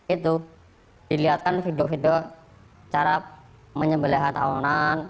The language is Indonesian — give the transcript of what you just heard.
itu dilihatkan video video cara menyembeleha tahunan